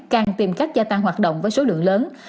càng tìm cách gia tăng hoạt động với số lượng lớn